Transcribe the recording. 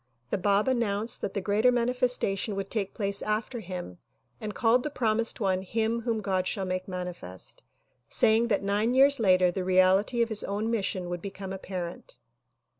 The Bab announced that the greater manifestation would take place after him and called the promised one "Him whom God would mani fest," saying that nine years later the reality of his own mission would become apparent.